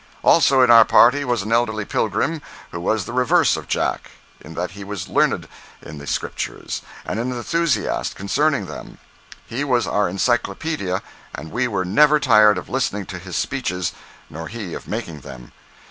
Also in our party was an elderly pilgrim who was the reverse of Jack, in that he was learned in the Scriptures and an enthusiast concerning them. He was our encyclopedia, and we were never tired of listening to his speeches, nor he of making them.